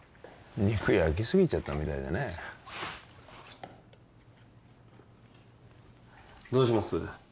肉焼きすぎちゃったみたいでねどうします？